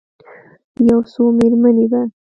یو څو میرمنې به،